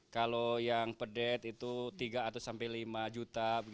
kalau yang pedet itu tiga ratus sampai lima juta